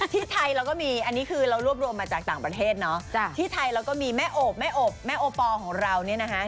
ที่ไทยเราก็มีอันนี้คือเรารวบรวมมาจากต่างประเทศเนาะที่ไทยเราก็มีแม่โอบแม่โอบแม่โอปอลของเราเนี่ยนะคะ